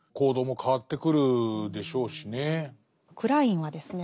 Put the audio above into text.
クラインはですね